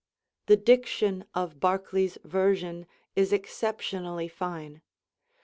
The diction of Barclay's version is exceptionally fine.